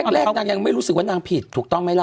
แรกนางยังไม่รู้สึกว่านางผิดถูกต้องไหมล่ะ